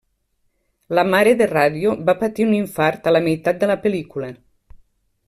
La mare de Ràdio va patir un infart a la meitat de la pel·lícula.